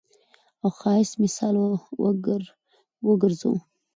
او ښايست مثال وګرځوو.